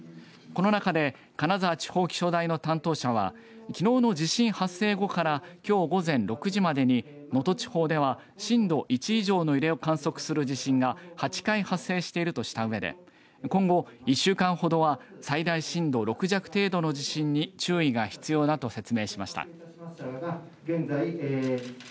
この中で金沢地方気象台の担当者は、きのうの地震発生後からきょう午前６時までに能登地方では震度１以上の揺れを観測する地震が８回発生しているとしたうえで今後、１週間ほどは最大震度６弱程度の地震に注意が必要だと説明しました。